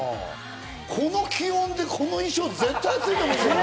この気温でこの衣装、絶対暑いと思うけど。